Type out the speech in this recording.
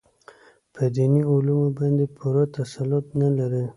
په دیني علومو باندې پوره تسلط نه لري.